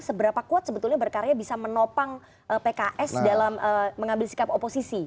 seberapa kuat sebetulnya berkarya bisa menopang pks dalam mengambil sikap oposisi